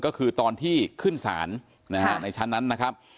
ก็คือตอนที่ขึ้นศาลนะฮะในชั้นนั้นนะครับ